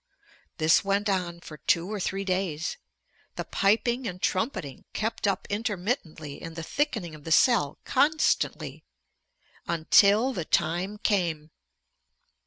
This went on for two or three days. The piping and trumpeting kept up intermittently, and the thickening of the cell constantly. Until the time came!